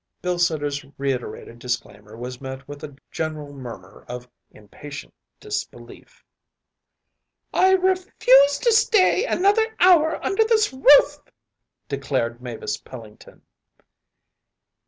‚ÄĚ Bilsiter’s reiterated disclaimer was met with a general murmur of impatient disbelief. “I refuse to stay another hour under this roof,‚ÄĚ declared Mavis Pellington.